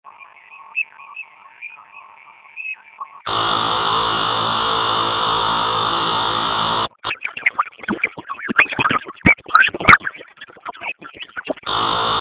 Wanyama wenye kwato za kupasuka wapo hatarini kupata ugonjwa huu